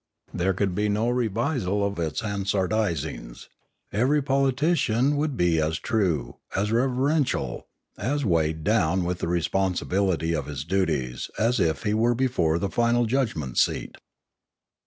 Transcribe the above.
There could be no revisal of its hansardisings; every politician would be as true, as reverential, as weighed down with the responsibility of his duties as if he were before the final judgment seat.